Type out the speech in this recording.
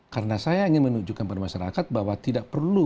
karena saya ingin menunjukkan kepada masyarakat bahwa tidak perlu